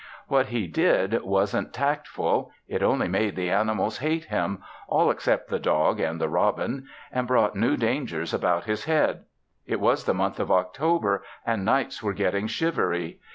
What he did wasn't tactful; it only made the animals hate him all except the dog and the robin and brought new dangers about his head. It was the month of October and nights were getting shivery.